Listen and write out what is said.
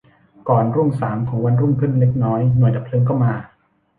ก่อนรุ่งสางของวันรุ่งขึ้นเล็กน้อย หน่วยดับเพลิงก็มา